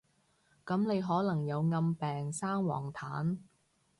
噉你可能有暗病生黃疸？